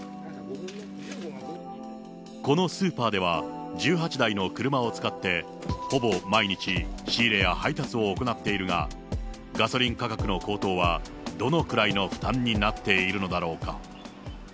このスーパーでは、１８台の車を使って、ほぼ毎日、仕入れや配達を行っているが、ガソリン価格の高騰はどのくらいの負担になっているのだろうか。